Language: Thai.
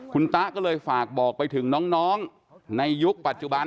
คุณตะก็เลยฝากบอกไปถึงน้องในยุคปัจจุบัน